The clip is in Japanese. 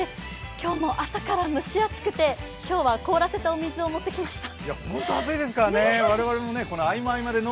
今日も朝から蒸し暑くて、今日は凍らせたお水を持ってきました。